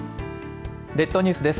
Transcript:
列島ニュースです。